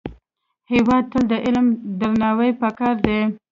هېواد ته د علم درناوی پکار دی